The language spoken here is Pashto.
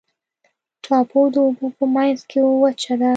ټاپو د اوبو په منځ کې وچه ده.